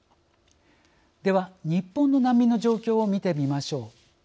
では日本の難民の状況を見てみましょう。